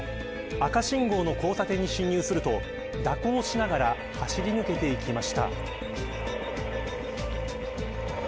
赤信号の交差点に進入すると蛇行しながら走り抜けていきました。